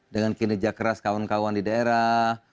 dengan kinerja keras kawan kawan di daerah